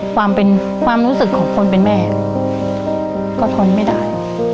ความเป็นความรู้สึกของคนเป็นแม่ก็ทนไม่ได้